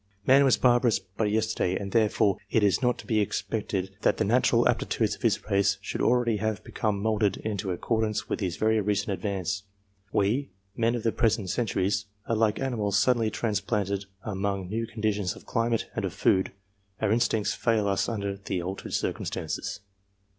'Man was barbarous but yesterday, and therefore it is not to /be expected that the natural aptitudes of his race should already have become moulded into accordance with his 'very recent advance. We, men of the present centuries, /are like animals suddenly transplanted among new con j ditions of climate and of food : our instincts fail us under I the altered circumstances.